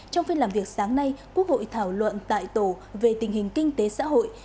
trong phiên làm việc sáng nay quốc hội thảo luận tại tổ về tình hình kinh tế xã hội